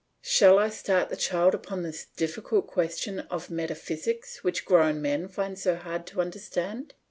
Shall I start the child upon this difficult question of metaphysics which grown men find so hard to understand?